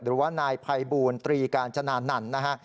หรือว่านายภัยบูรตรีกาญจนานันต์นะฮะ